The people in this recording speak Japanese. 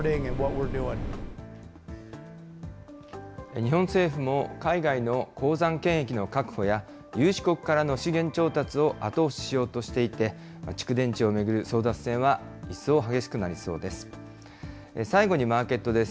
日本政府も海外の鉱山権益の確保や、有志国からの資源調達を後押ししようとしていて、蓄電池を巡る争奪戦は一層激しくなりそうです。